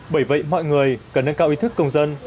bởi vậy mọi người cần nâng cao ý thức công dân